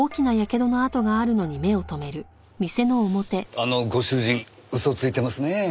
あのご主人嘘をついてますね。